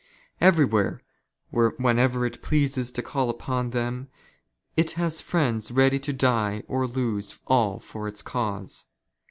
Everywhere, when '' ever it pleases to call upon them, it has friends ready to die or lose " all for its cause.